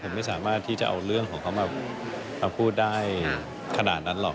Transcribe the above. ผมไม่สามารถที่จะเอาเรื่องของเขามาพูดได้ขนาดนั้นหรอก